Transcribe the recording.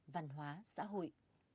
văn hóa xã hội